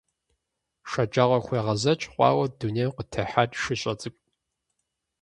ШэджагъуэхуегъэзэкӀ хъуауэ дунейм къытехьат шыщӀэ цӀыкӀу.